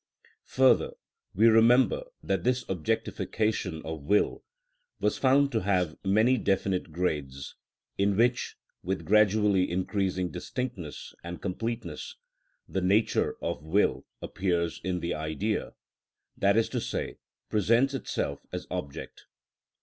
Further, we remember that this objectification of will was found to have many definite grades, in which, with gradually increasing distinctness and completeness, the nature of will appears in the idea, that is to say, presents itself as object.